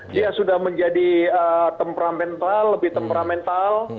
dia sudah menjadi temperamental lebih temperamental